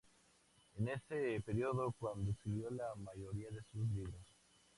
Es en ese periodo cuando escribió la mayoría de sus libros.